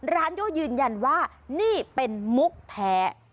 ร้านโยยืนยันว่านี่เป็นมุกแพ้